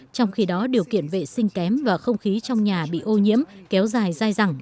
trong khi đó điều kiện vệ sinh kém và không khí trong nhà bị ô nhiễm kéo dài dài dẳng